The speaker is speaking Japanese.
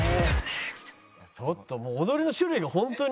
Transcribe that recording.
ちょっともう踊りの種類がホントに。